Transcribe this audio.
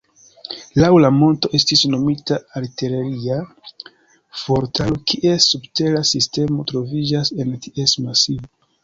Laŭ la monto estis nomita artileria fuortaro, kies subtera sistemo troviĝas en ties masivo.